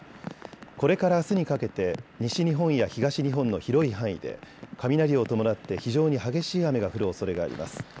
これからあすにかけて西日本や東日本の広い範囲で雷を伴って非常に激しい雨が降るおそれがあります。